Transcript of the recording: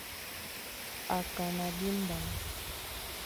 Akana bindañ.